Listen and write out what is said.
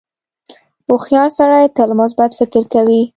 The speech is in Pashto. • هوښیار سړی تل مثبت فکر کوي.